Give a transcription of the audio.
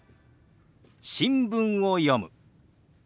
「新聞を読む」。